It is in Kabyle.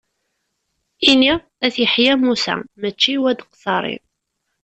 Ini At Yeḥya Musa mačči Wad Qsaṛi.